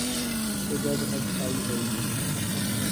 تو جگ ہنسائی ہو گی۔